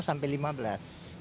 sepuluh sampai lima belas ribu